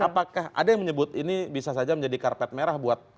apakah ada yang menyebut ini bisa saja menjadi karpet merah buat